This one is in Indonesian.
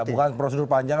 ya bukan prosedur panjang